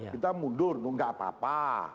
kita mundur nggak apa apa